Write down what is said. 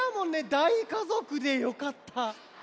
だいかぞくでよかった。